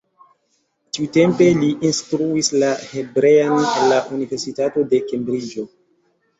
Tiutempe li instruis la hebrean en la Universitato de Kembriĝo.